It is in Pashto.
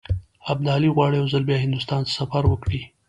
ابدالي غواړي یو ځل بیا هندوستان ته سفر وکړي.